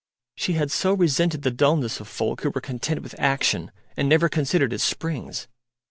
She had so resented the dulness of folk who were content with action and never considered its springs.